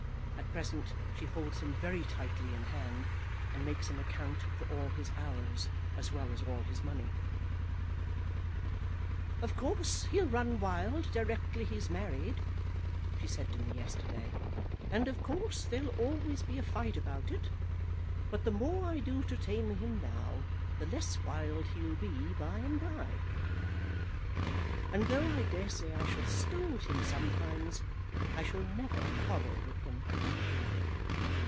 At present, she holds him very tightly in hand, and makes him account for all his hours as well as all his money. 'Of course, he'll run wild directly he's married,' she said to me, yesterday; 'and, of course, there'll always be a fight about it; but the more I do to tame him now, the less wild he'll be by and by. And though I dare say, I shall scold him sometimes, I shall never quarrel with him.'